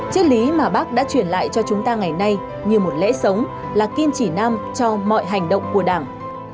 chất lý mà bác đã chuyển lại cho chúng ta ngày nay như một lễ sống là kim chỉ nam cho mọi hành động của đảng